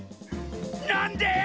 なんで！？